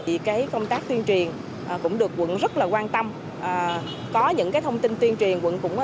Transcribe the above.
vì công tác tuyên truyền cũng được quận rất quan tâm có những thông tin tuyên truyền quận cũng